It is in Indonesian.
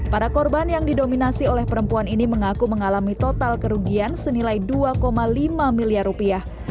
para korban yang didominasi oleh perempuan ini mengaku mengalami total kerugian senilai dua lima miliar rupiah